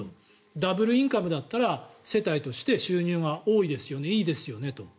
ダブルインカムだったら世帯として収入が多いですよね、いいですよねと。